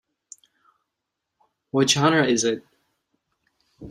What genre is it?